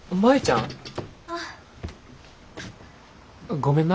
ごめんな。